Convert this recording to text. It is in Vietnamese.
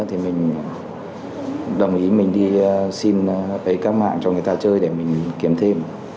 thì mình đồng ý mình đi xin với các mạng cho người ta chơi để mình kiếm thêm